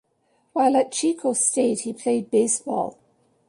While at Chico State, he played baseball.